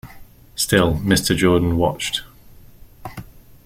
Still Mr. Jordan watched.